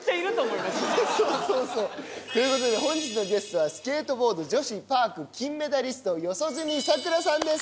そうそうそうということで本日のゲストはスケートボード女子パーク金メダリスト四十住さくらさんです